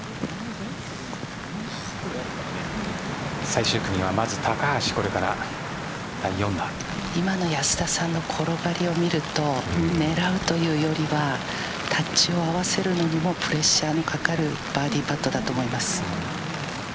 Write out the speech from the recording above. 最終組は、まず高橋今の安田さんの転がりを見ると狙うというよりはタッチを合わせるのもプレッシャーがかかるバーディーパットだと思います。